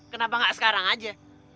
kenapa gak sekarang aja